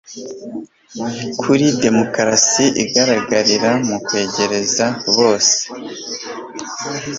kuri demokarasi igaragarira mu kwegereza bose